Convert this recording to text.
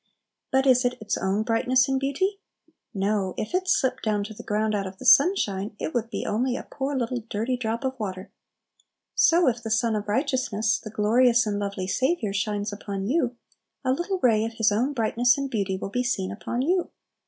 But is it its own brightness and beauty? No; if it slipped down to the ground out of the sunshine, it would be only a poor little dirty drop of water. So, if the Sun of Righteousness, the glorious and lovely Saviour, shines upon you, a little ray of His own brightness and beauty will be seen upon you.